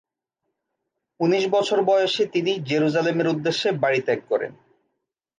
উনিশ বছর বয়সে তিনি জেরুসালেমের উদ্দেশ্যে বাড়ি ত্যাগ করেন।